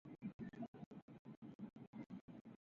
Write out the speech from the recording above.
体組成計で計ってみる